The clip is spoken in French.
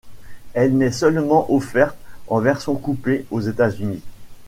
Elle n'est seulement offerte en version coupé aux États-Unis.